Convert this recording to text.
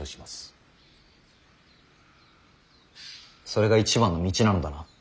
それが一番の道なのだな。